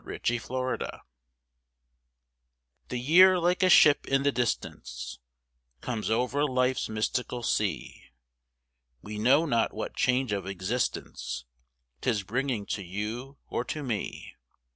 NEW YEAR The year like a ship in the distance Comes over life's mystical sea. We know not what change of existence 'Tis bringing to you or to me.